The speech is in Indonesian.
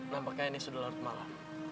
nampaknya ini sudah larut malam